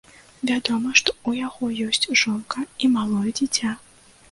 Вядома, што ў яго ёсць жонка і малое дзіця.